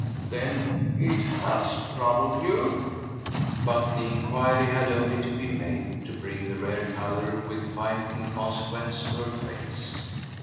"Then it HAS troubled you?" But the enquiry had only to be made to bring the rare colour with fine inconsequence to her face.